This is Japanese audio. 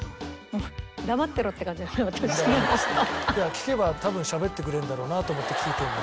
聞けば多分しゃべってくれるだろうなと思って聞いてるの。